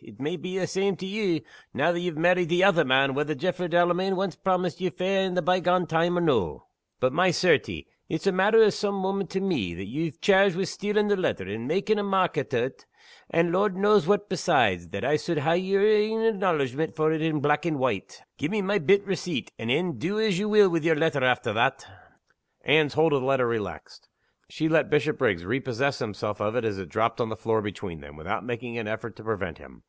It may be a' the same to you, now ye've married the other man, whether Jaffray Delamayn ance promised ye fair in the by gone time, or no. But, my certie! it's a matter o' some moment to me, that ye've chairged wi' stealin' the letter, and making a market o't, and Lord knows what besides, that I suld hae yer ain acknowledgment for it in black and white. Gi' me my bit receipt and een do as ye will with yer letter after that!" Anne's hold of the letter relaxed. She let Bishopriggs repossess himself of it as it dropped on the floor between them, without making an effort to prevent him.